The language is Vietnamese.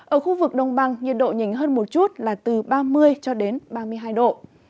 ở khu vực đông băng nhiệt độ nhìn hơn một chút là từ ba mươi ba mươi hai độ